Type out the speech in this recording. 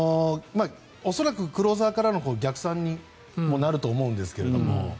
恐らくクローザーからの逆算になると思うんですが。